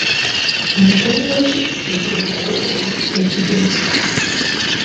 Miganyulo ki egiri mu kukozesa ekigimusa?